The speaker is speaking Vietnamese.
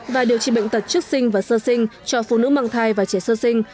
và điều trị bệnh tật trước sinh và sơ sinh cho phụ nữ mang thai và trẻ sơ sinh